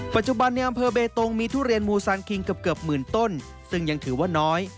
ปัจจุบันในอำเภอเบตงมีทุเรียนมูซานคิงเกือบหมื่นต้นซึ่งยังถือว่าน้อย